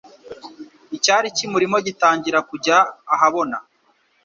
icyari kimurimo gitangira kujya ahabona.